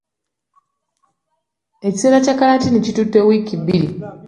Ekisera kya kkalantiini kitutte wiiki bbiri .